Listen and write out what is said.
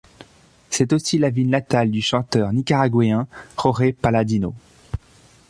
C'est aussi la ville natale du chanteur nicaraguayen Jorge Paladino.